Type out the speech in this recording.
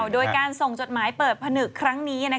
โดยการส่งจดหมายเปิดผนึกครั้งนี้